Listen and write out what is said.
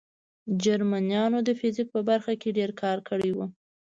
جرمنانو د فزیک په برخه کې ډېر کار کړی و